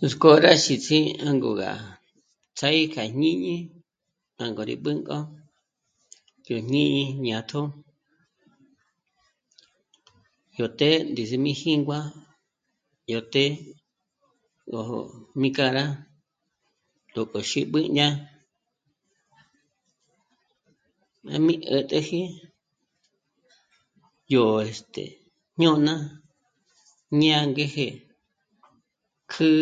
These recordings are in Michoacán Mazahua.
Nuts'k'ó rá xítsi jângo gá tsjâ'a í k'a jñíñi jângo rí b'ǘnk'o yó ñí'i jñátjo, yó të́'ë ndízi mí jíngua yó të́'ë ngójo mí k'a rá 'ób'ü xí b'ǘ' ñá má mí 'ä̀t'äji yó, este... ñôna ñí 'àngejé kjǚ'ü,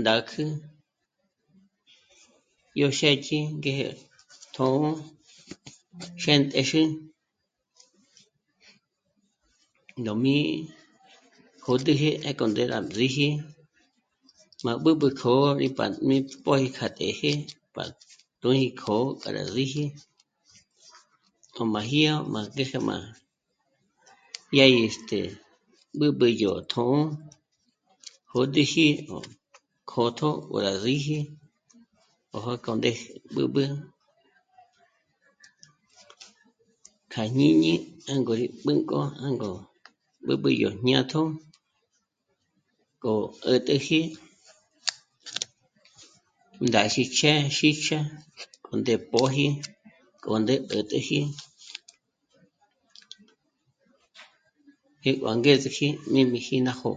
ndákjü, yó xë́dyi ngé tjō̌'ō xént'exe nó mì'i, kjo t'èje ndék'o ndé rá ríji má b'ǚb'ü kjǒbi pa mí pòji kja t'ë́jë pa tùji kjo para zíji ó máji ó má ngéje má..., ña í, este... b'ǚb'ü yó tjṓ'ō jö̌d'üji o kö̌tjö nguàra síji ó jòk'ó ndéje b'ǚb'ü k'a jñíñi jângo rí b'ǘnk'o jângo b'ǚb'ü yó jñátjo k'o 'ä̀t'äji ndá sícjhä xí'chja k'o ndé póji k'o ndé 'ä̀t'äji, jé' b'a angezeji mí jmìji ná jó'o